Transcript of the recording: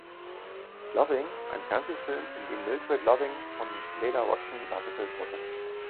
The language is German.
Loving" ein Fernsehfilm, in dem Mildred Loving von Lela Rochon dargestellt wurde.